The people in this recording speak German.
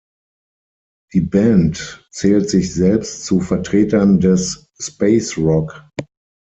Die Band zählt sich selbst zu Vertretern des Space Rock.